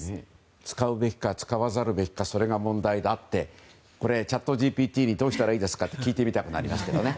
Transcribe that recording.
使うべきか使わざるべきかそれが問題であってチャットＧＰＴにどうしたらいいですかと聞いてみたくなりますよね。